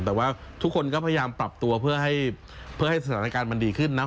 แต่ว่าทุกคนก็พยายามปรับตัวเพื่อให้สถานการณ์มันดีขึ้นนะ